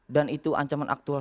dan itu ancaman aktual